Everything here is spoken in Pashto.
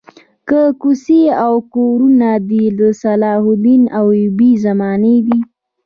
که کوڅې او که کورونه دي د صلاح الدین ایوبي زمانې دي.